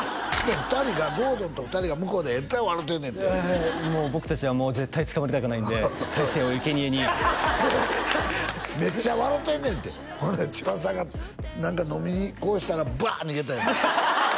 ２人が郷敦と２人が向こうでえらい笑うてるねんて僕達は絶対捕まりたくないんで大成をいけにえにめっちゃ笑うてるねんってほんで千葉さんが何か飲みにこうしたらバーッ逃げたんやって